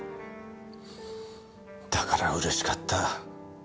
だからうれしかった。